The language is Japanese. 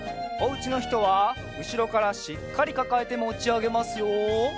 おうちのひとはうしろからしっかりかかえてもちあげますよ。